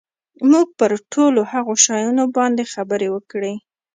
موږ پر ټولو هغو شیانو باندي خبري وکړې.